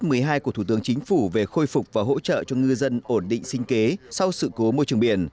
năm hai nghìn một mươi hai của thủ tướng chính phủ về khôi phục và hỗ trợ cho ngư dân ổn định sinh kế sau sự cố môi trường biển